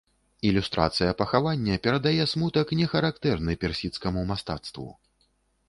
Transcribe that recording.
Ілюстрацыя пахавання перадае смутак, не характэрны персідскаму мастацтву.